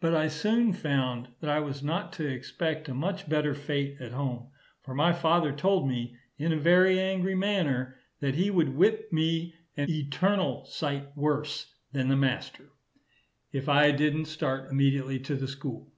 But I soon found that I was not to expect a much better fate at home; for my father told me, in a very angry manner, that he would whip me an eternal sight worse than the master, if I didn't start immediately to the school.